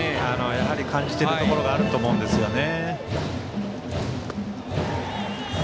やはり感じているところがあると思うんですよね。